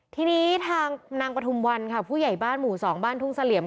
ทีนี้ทางนางปฐุมวันค่ะผู้ใหญ่บ้านหมู่๒บ้านทุ่งเสลี่ยม